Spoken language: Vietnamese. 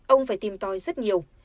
ông phải tìm tòi rất nhiều